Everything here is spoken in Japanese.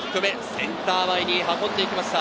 センター前に運んでいきました。